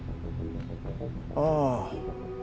ああ。